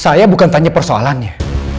saya bukan tanya persoalannya